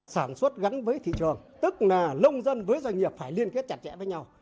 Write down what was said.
sản xuất gắn với thị trường tức là lông dân với doanh nghiệp phải liên kết chặt chẽ với nhau